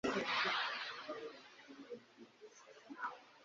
cy imyaka ibiri nibura imirimo irebana